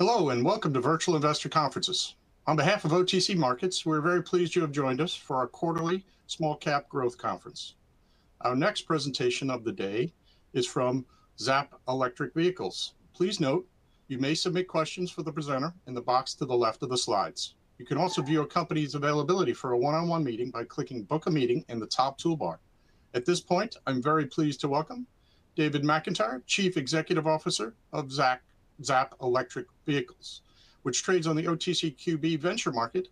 Hello and welcome to Virtual Investor Conferences. On behalf of OTC Markets, we're very pleased you have joined us for our quarterly Small Cap Growth Conference. Our next presentation of the day is from Zapp Electric Vehicles. Please note you may submit questions for the presenter in the box to the left of the slides. You can also view a company's availability for a one on one meeting by clicking Book a Meeting in the top toolbar. At this point, I'm very pleased to welcome David McIntyre, Chief Executive Officer of Zapp Electric Vehicles, which trades on the OTCQB Venture Market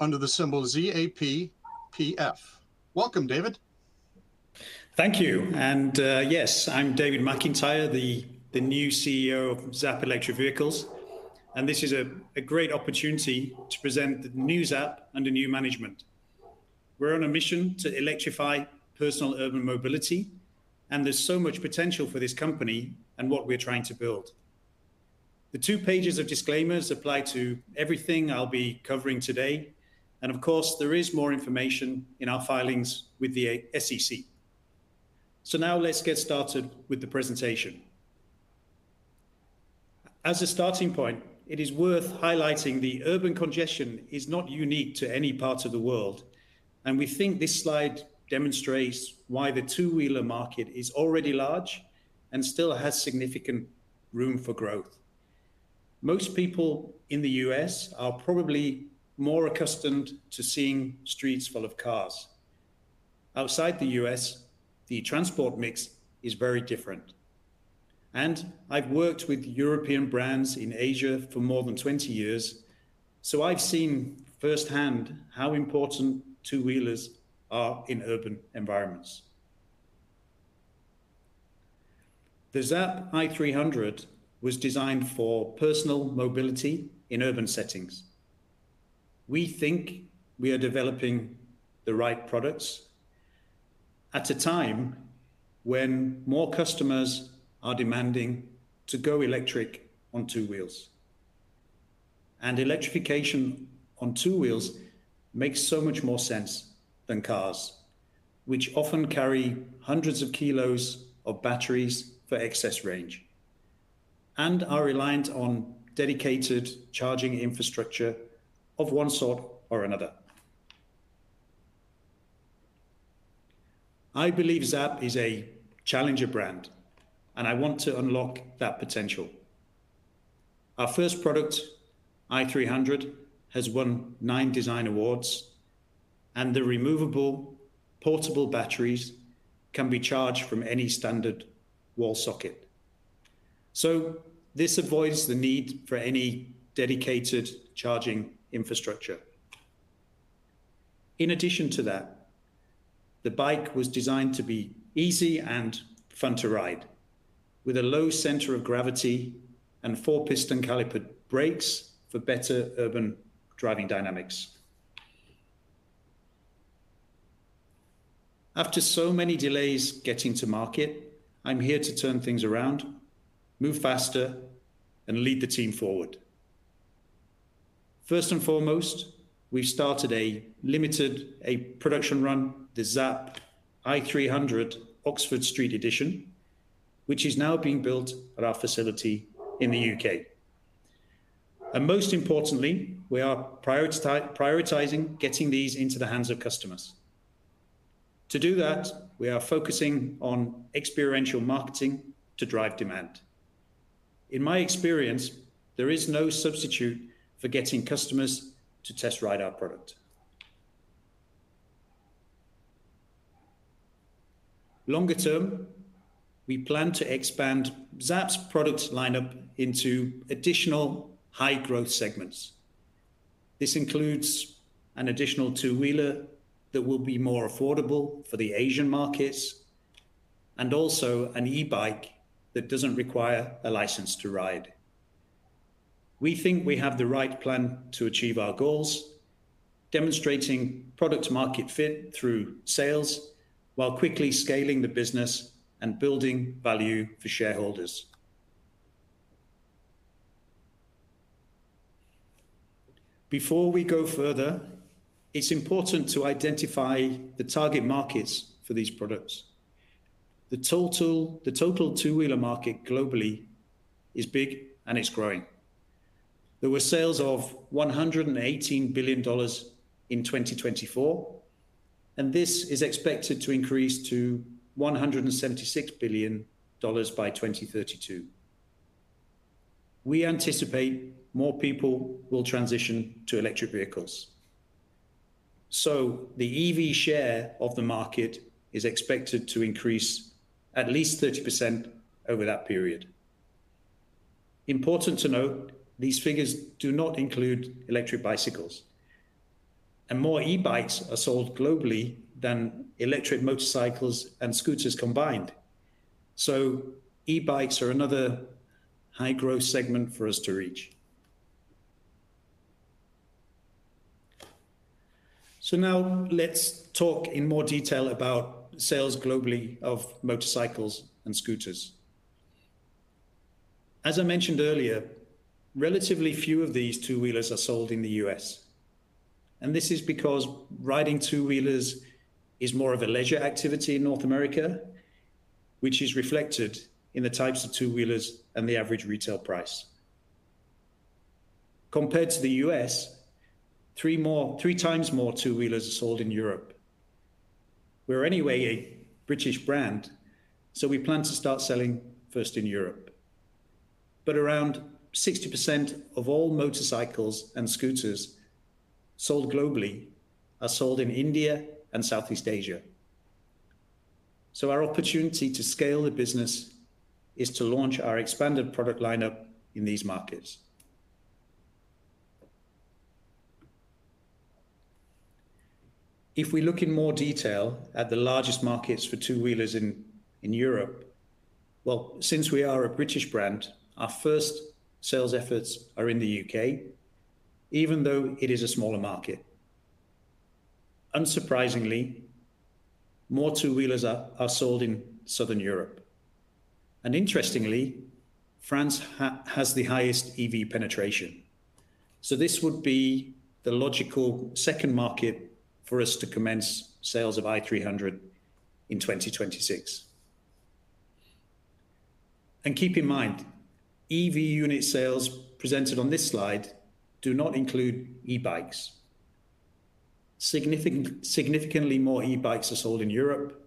under the symbol ZAPPF. Welcome David. Thank you, and yes, I'm David McIntyre, the new CEO of Zapp Electric Vehicles, and this is a great opportunity to present the new Zapp under new management. We're on a mission to electrify personal urban mobility, and there's so much potential for this company and what we're trying to build. The two pages of disclaimers apply to everything I'll be covering today, and of course there is more information in our filings with the SEC, so now let's get started with the presentation. As a starting point, it is worth highlighting the urban congestion is not unique to any part of the world and we think this slide demonstrates why the two-wheeler market is already large and still has significant room for growth. Most people in the U.S. are probably more accustomed to seeing streets full of cars. Outside the U.S. the transport mix is very different and I've worked with European brands in Asia for more than 20 years, so I've seen firsthand how important two-wheelers are in urban environments. The Zapp i300 was designed for personal mobility in urban settings. We think we are developing the right products at a time when more customers are demanding to go electric on two wheels and electrification on two wheels makes so much more sense than cars which often carry hundreds of kilos of batteries for excess range and are reliant on dedicated charging infrastructure of one sort or another. I believe Zapp is a challenger brand and I want to unlock that potential. Our first product, i300, has won nine design awards and the removable portable batteries can be charged from any standard wall socket, so this avoids the need for any dedicated charging infrastructure. In addition to that, the bike was designed to be easy and fun to ride with a low center of gravity and four-piston caliper brakes for better urban driving dynamics. After so many delays getting to market, I'm here to turn things around, move faster and lead the team forward. First and foremost, we started a limited production run the Zapp i300 Oxford Street Edition, which is now being built at our facility in the U.K., and most importantly, we are prioritizing getting these into the hands of customers. To do that, we are focusing on experiential marketing to drive demand. In my experience, there is no substitute for getting customers to test ride our product. Longer term, we plan to expand Zapp's product lineup into additional high-growth segments. This includes an additional two-wheeler that will be more affordable for the Asian markets and also an e-bike that doesn't require a license to ride. We think we have the right plan to achieve our goals. Demonstrating product market fit through sales while quickly scaling the business and building value for shareholders. Before we go further, it's important to identify the target markets for these products. The total two-wheeler market globally is big and it's growing. There were sales of $118 billion in 2024 and this is expected to increase to $176 billion by 2032. We anticipate more people will transition to electric vehicles. The EV share of the market is expected to increase at least 30% over that period. Important to note, these figures do not include electric bicycles, and more e-bikes are sold globally than electric motorcycles and scooters combined, so e-bikes are another high-growth segment for us to reach. Now let's talk in more detail about sales globally of motorcycles and scooters. As I mentioned earlier, relatively few of these two-wheelers are sold in the U.S. and this is because riding two-wheelers is more of a leisure activity in North America, which is reflected in the types of two-wheelers and the average retail price. Compared to the U.S. 3x more two-wheelers are sold in Europe. We're anyway a British brand, so we plan to start selling first in Europe. But around 60% of all motorcycles and scooters sold globally are sold in India and Southeast Asia. So our opportunity to scale the business is to launch our expanded product lineup in these markets. If we look in more detail at the largest markets for two-wheelers in Europe. Since we are a British brand, our first sales efforts are in the U.K., even though it is a smaller market. Unsurprisingly, more two-wheelers are sold in Southern Europe. And interestingly, France has the highest EV penetration. So this would be the logical second market for us to commence sales of i300 in 2026. Keep in mind, EV unit sales presented on this slide do not include e-bikes. Significantly more e-bikes are sold in Europe.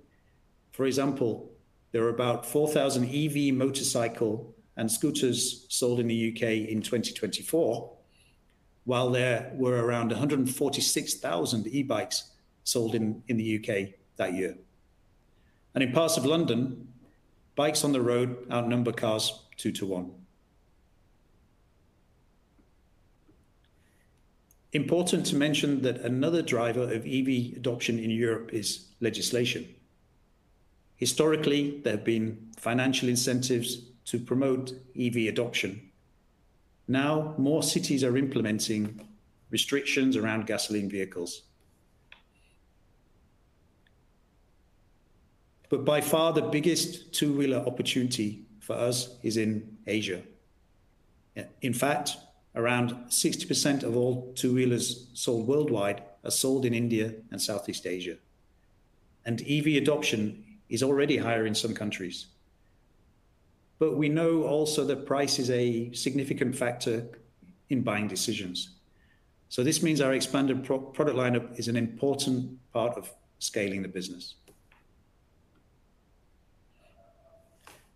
For example, there are about 4,000 EV motorcycle and scooters sold in the U.K. in 2024, while there were around 146,000 e-bikes sold in the U.K. that year. In parts of London, bikes on the road outnumber cars two to one. Important to mention that another driver of EV adoption in Europe is legislation. Historically, there have been financial incentives to promote EV adoption. Now more cities are implementing emission restrictions around gasoline vehicles. But by far the biggest two-wheeler opportunity for us is in Asia. In fact, around 60% of all two-wheelers sold worldwide are sold in India and Southeast Asia. And EV adoption is already higher in some countries. But we know also that price is a significant factor in buying decisions. So this means our expanded product lineup is an important part of scaling the business.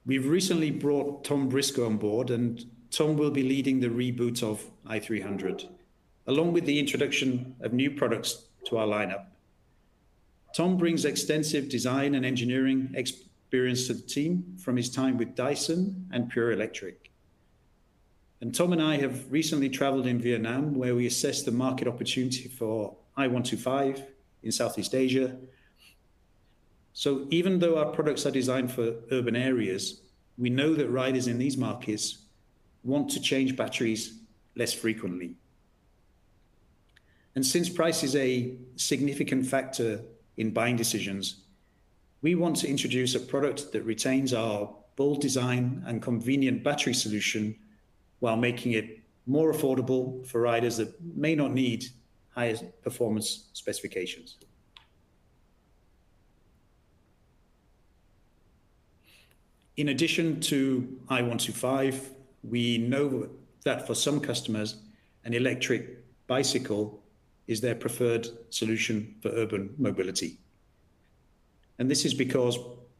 We've recently brought Tom Briscoe on board and Tom will be leading the reboot of i300 along with the introduction of new products to our lineup. Tom brings extensive design and engineering experience to the team from his time with Dyson and Pure Electric, and Tom and I have recently traveled in Vietnam where we assessed the market opportunity for i125 in Southeast Asia. Even though our products are designed for urban areas, we know that riders in these markets want to change batteries less frequently. Since price is a significant factor in buying decisions, we want to introduce a product that retains our brand's bold design and convenient battery solution while making it more affordable for riders that may not need highest performance specifications. In addition to i125, we know that for some customers an electric bicycle is their preferred solution for urban mobility, and this is because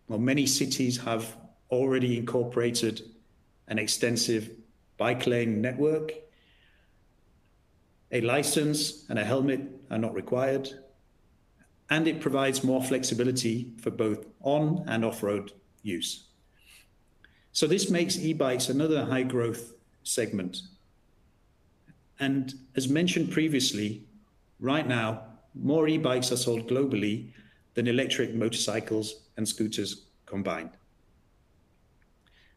many cities have already incorporated an extensive bike lane network. A license and a helmet are not required, and it provides more flexibility for both on- and off-road use. This makes e-bikes another high-growth segment. As mentioned previously, right now more e-bikes are sold globally than electric motorcycles and scooters combined.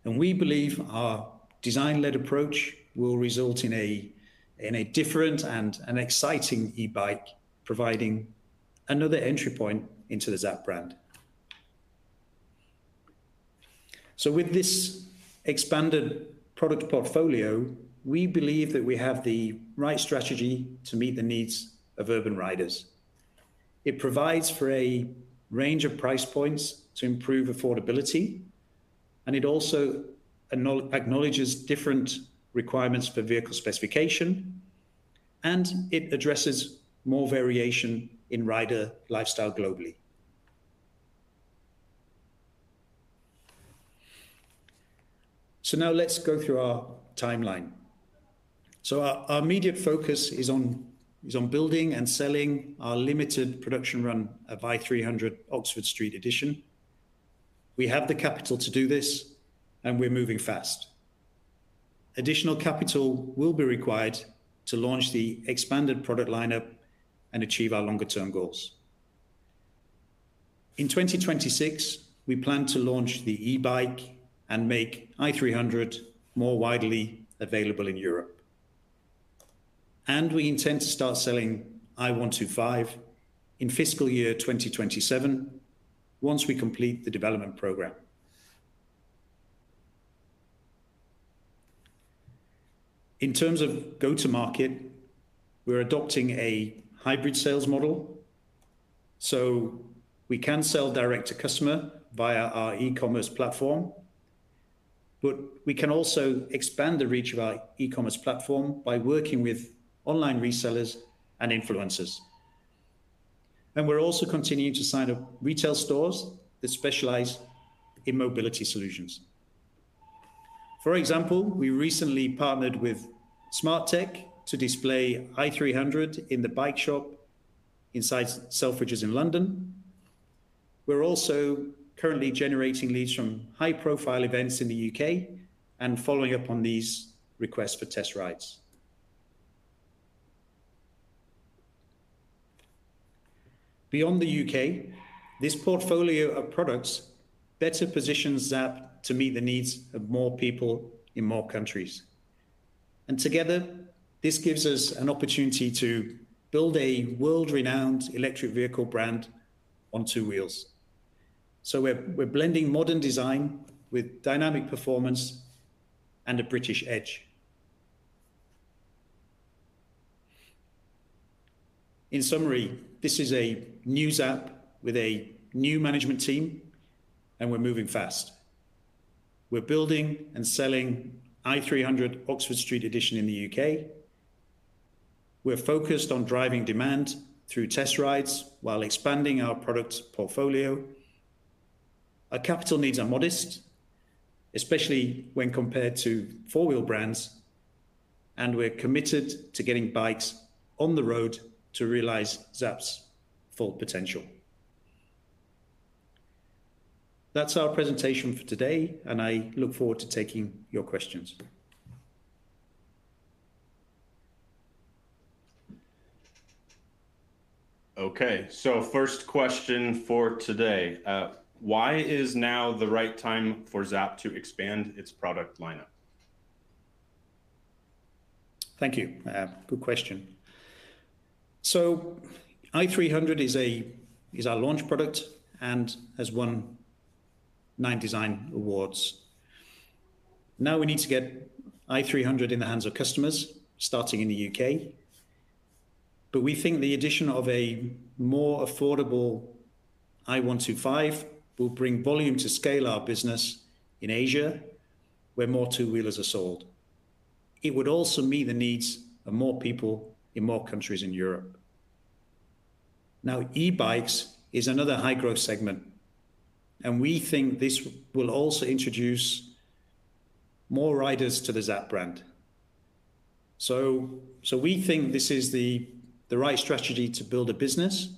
We believe our design-led approach will result in a different and an exciting e-bike providing another entry point into the Zapp brand. So with this expanded product portfolio, we believe that we have the right strategy to meet the needs of urban riders. It provides for a range of price points to improve affordability and it also acknowledges different requirements for vehicle specification and it addresses more variation in rider lifestyle globally. Now let's go through our timeline. Our immediate focus is on building and selling our limited production run of i300 Oxford Street Edition. We have the capital to do this and we're moving fast. Additional capital will be required to launch the expanded product lineup and achieve our longer-term goals. In 2026, we plan to launch the e-bike and make i300 more widely available in Europe. We intend to start selling i125 in fiscal year 2027 once we complete the development program. In terms of go-to-market, we're adopting a hybrid sales model so we can sell direct to customer via our e-commerce platform. But we can also expand the reach of our e-commerce platform by working with online resellers and influencers. And we're also continuing to sign up retail stores that specialize in mobility solutions. For example, we recently partnered with Smartech to display i300 in the bike shop inside Selfridges in London. We're also currently generating leads from high profile events in the U.K. and following up on these requests for test rides. Beyond the U.K., this portfolio of products better positions Zapp to meet the needs of more people in more countries. And together this gives us an opportunity to build a world-renowned electric vehicle brand on two wheels. So we're blending modern design with dynamic performance and a British edge. In summary, this is a new Zapp with a new management team and we're moving fast. We're building and selling i300 Oxford Street Edition in the U.K. We're focused on driving demand through test rides while expanding our product portfolio. Our capital needs are modest, especially when compared to four-wheel brands. And we're committed to getting bikes on the road to realize Zapp's full potential. That's our presentation for today and I look forward to taking your questions. Okay, so first question for today? Why is now the right time for Zapp to expand its product lineup? Thank you. Good question. i300 is our launch product and has won nine design awards. Now we need to get i300 in the hands of customers starting in the U.K., but we think the addition of a more affordable i125 will bring volume to scale our business in Asia, where more two-wheelers are sold. It would also meet the needs of more people in more countries in Europe. Now, e-bikes is another high-growth segment and we think this will also introduce more riders to the Zapp brand. So we think this is the right strategy to build a business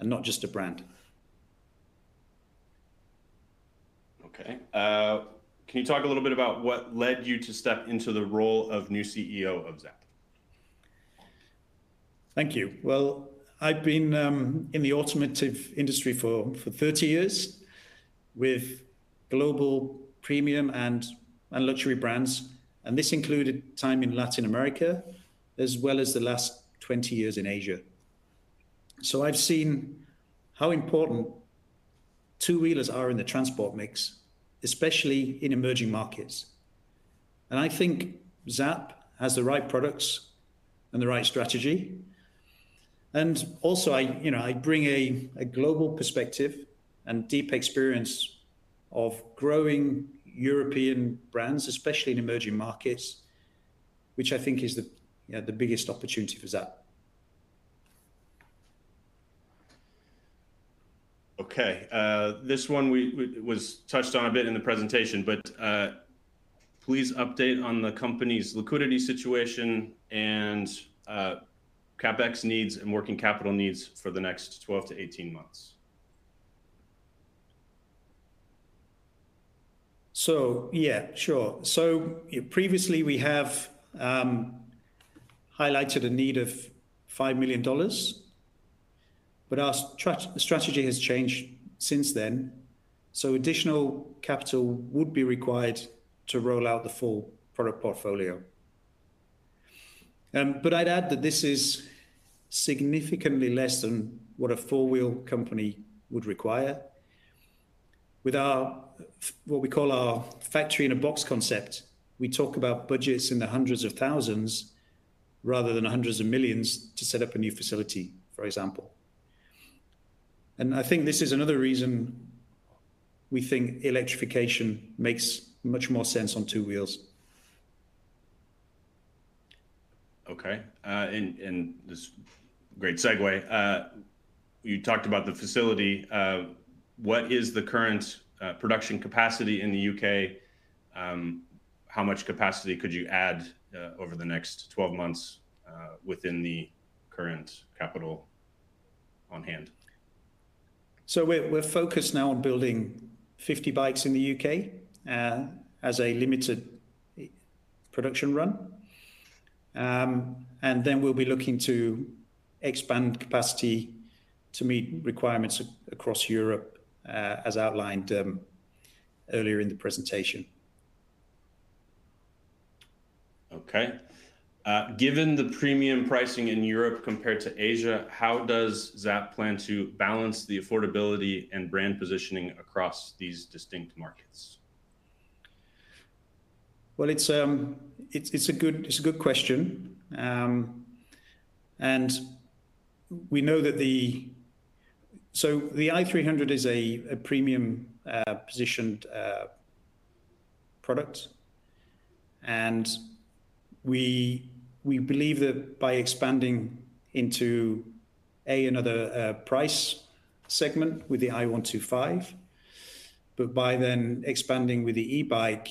and not just a brand. Okay, can you talk a little bit about what led you to step into the role of new CEO of Zapp? Thank you. Well, I've been in the automotive industry for 30 years with global premium and luxury brands and this included time in Latin America as well as the last 20 years in Asia. So I've seen how important two-wheelers are in the transport mix, especially in emerging markets. And I think Zapp has the right products and the right strategy. And also I, you know, I bring a global perspective and deep experience of growing European brands, especially in emerging markets, which I think is the biggest opportunity for Zapp. Okay, this one was touched on a bit in the presentation, but please update on the company's liquidity situation and CapEx needs and working capital needs for the next 12-18 months. Yeah, sure. Previously we have. Highlighted a need of $5 million, but our strategy has changed since then. So additional capital would be required to roll out the full product portfolio. I'd add that this is significantly less than what a four-wheel company would require. With our what we call Factory-in-a-Box concept, we talk about budgets in the hundreds of thousands rather than hundreds of millions to set up a new facility, for example. I think this is another reason we think electrification makes much more sense on two wheels. Okay, and this great segue you talked about the facility, what is the current production capacity in the U.K.? How much capacity could you add over the next 12 months within the current capital on hand? We're focused now on building 50 bikes in the U.K. as a limited production run. We'll be looking to expand capacity to meet requirements across Europe as outlined earlier in the presentation. Okay, given the premium pricing in Europe compared to Asia, how does Zapp plan to balance the affordability and brand positioning across these distinct markets? Well. It's a good question. We know that so the i300 is a premium positioned. Product and we believe that by expanding into another price segment with the i125, but by then expanding with the e-bike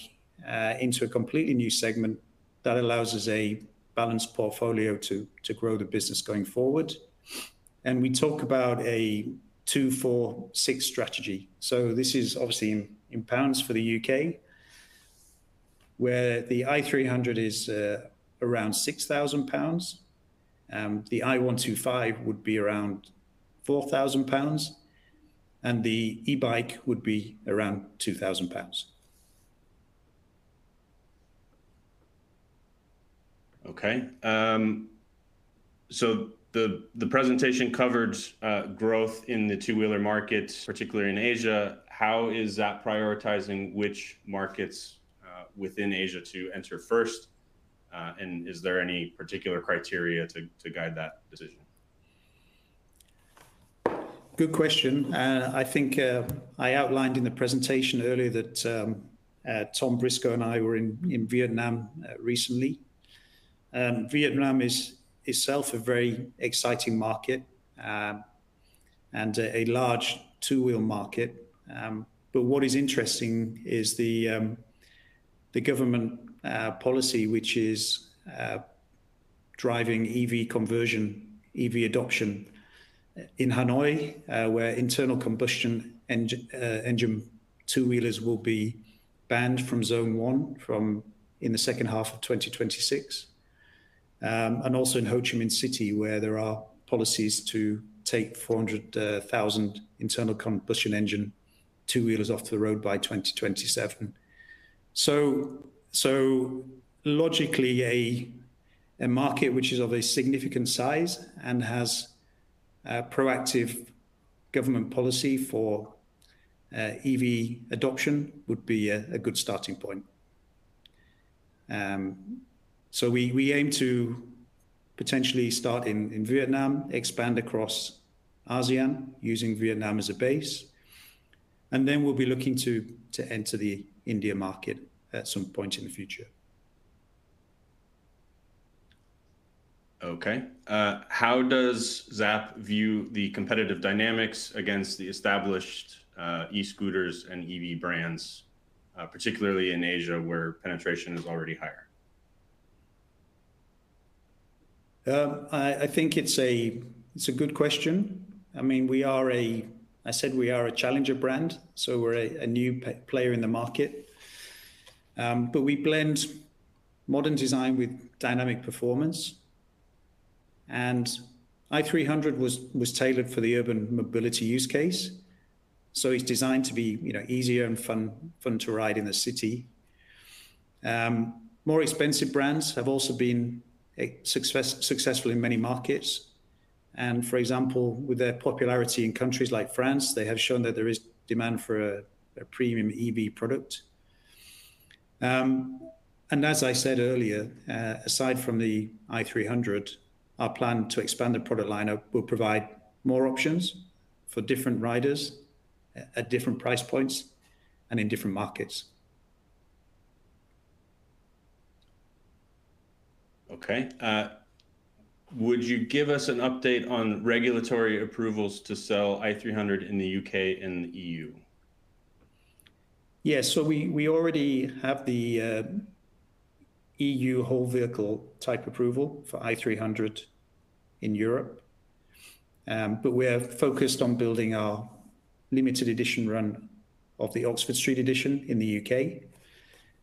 into a completely new segment that allows us a balanced portfolio to grow the business going forward. And we talk about a 2-4-6 Strategy. So this is obviously in pounds for the U.K. Where the i300 is around 6,000 pounds, the i125 would be around 4,000 pounds and the e-bike would be around 2,000 pounds. Okay. So the presentation covered growth in the two-wheeler markets, particularly in Asia. How is that prioritizing which markets within Asia to enter first and is there any particular criteria to guide that decision? Good question. I think I outlined in the presentation earlier that Tom Briscoe and I were in Vietnam recently. Vietnam is itself a very exciting market. A large two-wheeler market. What is interesting is the government policy which is. Driving EV conversion, EV adoption in Hanoi where internal combustion engine two-wheelers will be banned from Zone 1 in the second half of 2026, and also in Ho Chi Minh City where there are policies to take 400,000 internal combustion engine two-wheelers off the road by 2027. So logically, a market which is of a significant size and has proactive government policy for EV adoption would be a good starting point. So we aim to potentially start in Vietnam, expand across ASEAN using Vietnam as a base, and then we'll be looking to enter the India market at some point in the future. Okay, how does Zapp view the competitive dynamics against the established e-scooters and EV brands, particularly in Asia where penetration is already higher? I think it's a good question. I mean, we are a challenger brand, so we're a new player in the market. We blend modern design with dynamic performance. The i300 was tailored for the urban mobility use case, so it's designed to be easier and fun to ride in the city. More expensive brands have also been successful in many markets. And for example, with their popularity in countries like France, they have shown that there is demand for a premium EV product. As I said earlier, aside from the i300, our plan to expand the product lineup will provide more options for different riders at different price points and in different markets. Okay, would you give us an update on regulatory approvals to sell i300 in the U.K. and the EU? Yes, so we already have the. EU Whole Vehicle Type Approval for i300 in Europe. But we're focused on building our limited edition run of the Oxford Street Edition in the UK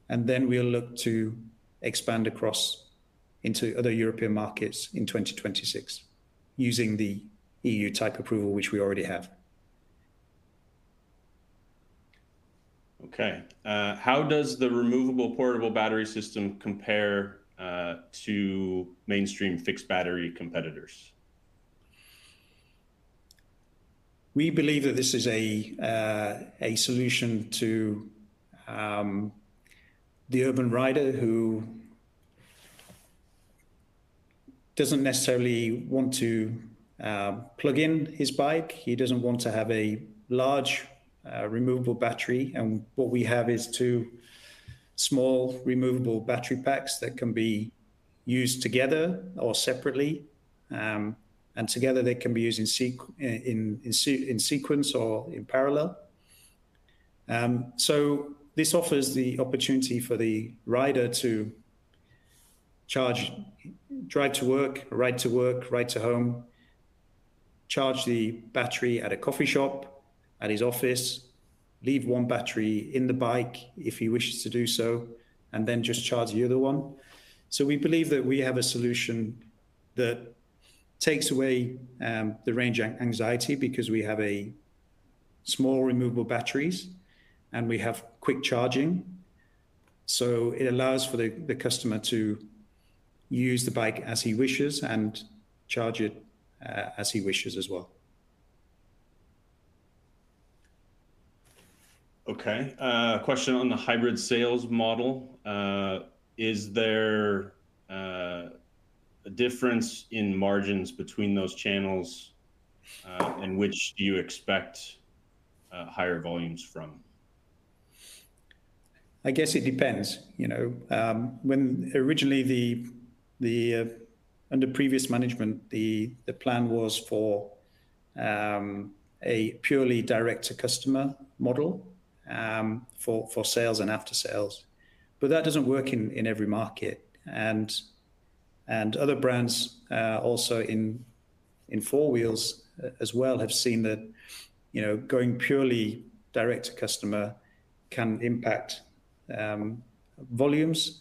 and then we'll look to expand across into other European markets in 2026 using the EU type approval, which we already have. Okay, how does the removable portable battery system compare to mainstream fixed battery competitors? We believe that this is a solution to. The urban rider who doesn't necessarily want to plug in his bike. He doesn't want to have a large removable battery. And what we have is two small removable battery packs that can be used together or separately. And together they can be used in sequence or in parallel. This offers the opportunity for the rider to. Drive to work, ride to work, ride to home, charge the battery at a coffee shop at his office, leave one battery in the bike if he wishes to do so, and then just charge the other one, so we believe that we have a solution that takes away the range anxiety because we have a small removable batteries and we have quick charging, so it allows for the customer to use the bike as he wishes and charge it as he wishes as well. Okay, question on the hybrid sales model, is there a difference in margins between those channels, and which do you expect higher volumes from? I guess it depends, you know, when originally the. Under previous management, the plan was for. A purely direct to customer model for sales and after sales, but that doesn't work in every market. Other brands also in four wheels as well have seen that going purely direct to customer can impact. Volumes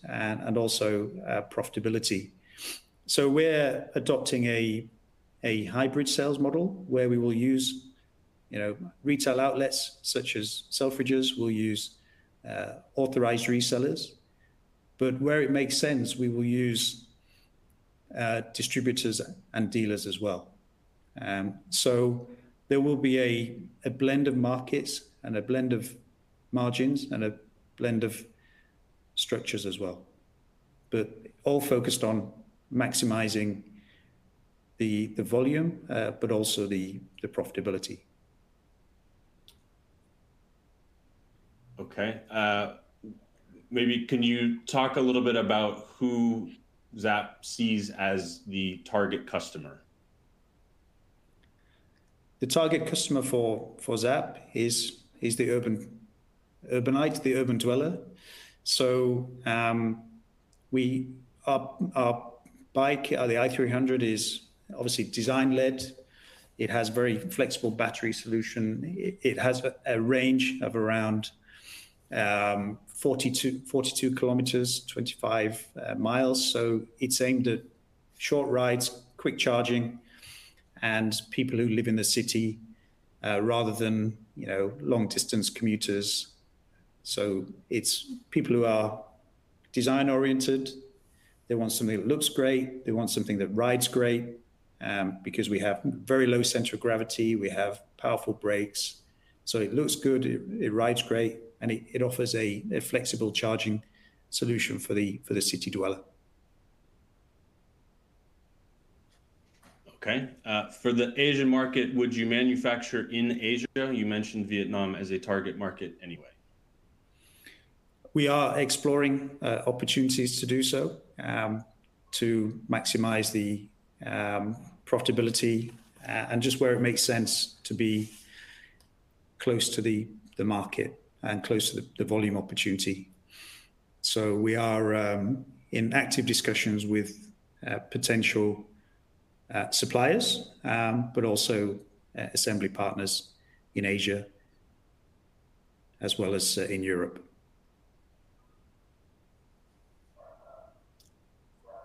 and also profitability. So we're adopting a hybrid sales model where we will use retail outlets such as Selfridges, we'll use authorized resellers. But where it makes sense, we will use. Distributors and dealers as well, so there will be a blend of markets and a blend of margins and a blend of structures as well. But all focused on maximizing the volume but also the profitability. Okay, maybe can you talk a little bit about who Zapp sees as the target customer? The target customer for Zapp is the urbanite, the urban dweller. So our bike, the i300 is obviously design led. It has very flexible battery solution. It has a range of around 42 km, 25 mi. It's aimed at short rides, quick charging and people who live in the city rather than, you know, long distance commuters. It's people who are design oriented. They want something that looks great, they want something that rides great because we have very low center of gravity, we have powerful brakes. So it looks good, it rides great and it offers a flexible charging solution for the, for the city dweller. Okay, for the Asian market, would you manufacture in Asia? You mentioned Vietnam as a target market anyway. We are exploring opportunities to do so to maximize the profitability and just where it makes sense to be close to the market and close to the volume opportunity. So we are in active discussions with potential suppliers, but also assembly partners in Asia as well as in Europe.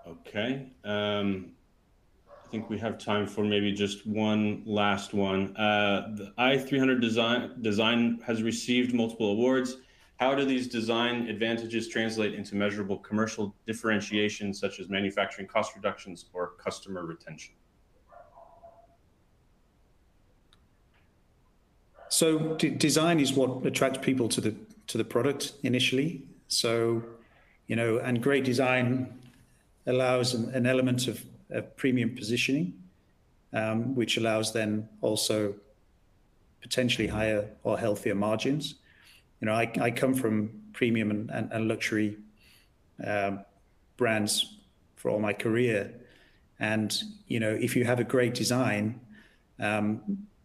Okay. I think we have time for maybe just one last one. The i300. Design. Design has received multiple awards. How do these design advantages translate into measurable commercial differentiation such as manufacturing cost reductions or customer retention? So design is what attracts people to the product initially. So, you know, and great design allows an element of premium positioning which allows then also potentially higher or healthier margins. You know, I come from premium and luxury. Brands for all my career and you know, if you have a great design.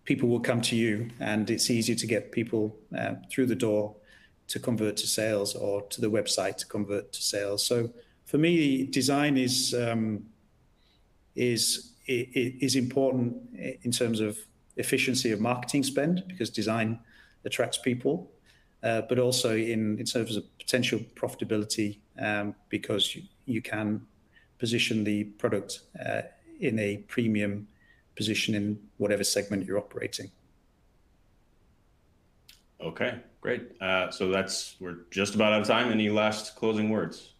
People will come to you, and it's easy to get people through the door to convert to sales or to the website to convert to sales. So for me, design is, is important in terms of efficiency of marketing spend because design attracts people, but also in terms of potential profitability, because you can position the product in a premium position in whatever segment you're operating. Okay, great. So we're just about out of time. Any last closing words?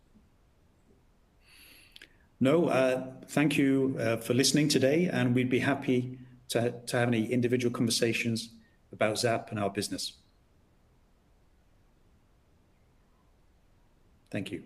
No. Thank you for listening today. And we'd be happy to have any individual conversations about Zapp and our business. Thank you.